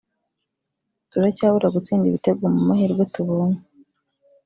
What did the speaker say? turacyabura gutsinda ibitego mu mahirwe tubonye